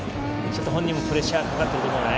本人もプレッシャーかかってると思うね。